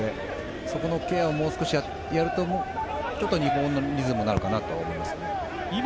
そこのケアをもう少しやると、日本のリズムになるかなと思います。